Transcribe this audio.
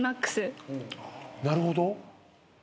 なるほど。